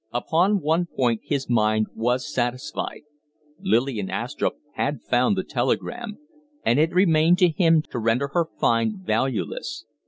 Upon one point his mind was satisfied. Lillian Astrupp had found the telegram, and it remained to him to render her find valueless.